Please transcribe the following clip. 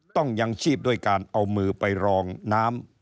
ยังชีพด้วยการเอามือไปรองน้ำ